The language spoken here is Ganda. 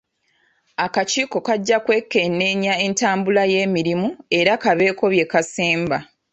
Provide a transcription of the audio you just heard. Akakiiko kajja kwekenneenya entambula y'emirimu, era kabeeko bye kasemba.